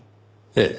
ええ。